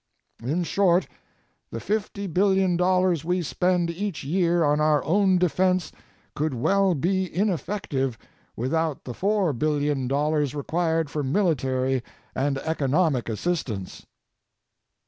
In short, the $50 billion we spend each year on our own defense could well be ineffective without the $4 billion required for military and economic assistance.